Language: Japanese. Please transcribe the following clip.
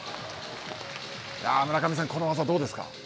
村上さん、この技、どうですか。